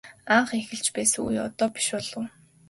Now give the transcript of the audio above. Анх эхэлж байсан үе одоо биш болов.